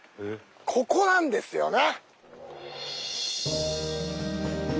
ここなんですよね。